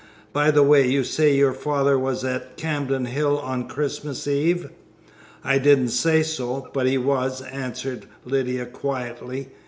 By the way, you say your father was at Camden Hill on Christmas Eve?" "I didn't say so, but he was," answered Lydia quietly.